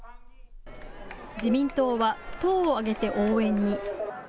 自民党は党をあげて応援に。